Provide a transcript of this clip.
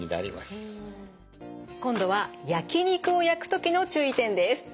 今度は焼き肉を焼く時の注意点です。